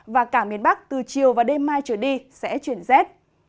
và cả miền bắc từ chiều và đêm mai trở đi sẽ chuyển rét